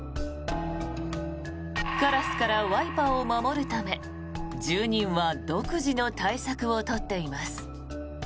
カラスからワイパーを守るため住人は独自の対策を取っています。